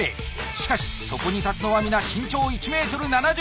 しかしそこに立つのは皆身長１ｍ７０以上。